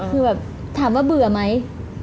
คือแบบถามว่าเบื่อไหม